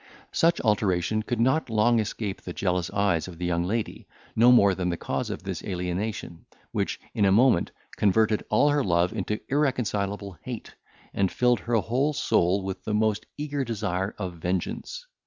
Such alteration could not long escape the jealous eyes of the young lady, no more than the cause of this alienation, which, in a moment, converted all her love into irreconcilable hate, and filled her whole soul with the most eager desire of vengeance.